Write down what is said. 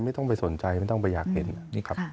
ไม่ต้องไปสนใจไม่ต้องไปอยากเห็นนี่ครับ